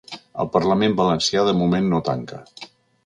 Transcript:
El parlament valencià de moment no tanca.